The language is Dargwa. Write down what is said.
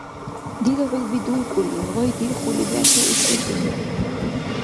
Дила хӀулби дулкӀули, гъай дирхули бегӀта у чеббизур.